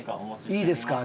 いいですか？